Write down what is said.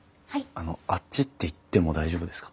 あのあっちって行っても大丈夫ですか？